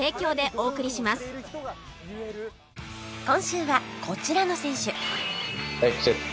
今週はこちらの選手